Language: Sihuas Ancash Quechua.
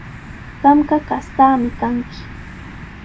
Qamqa kastaami kanki.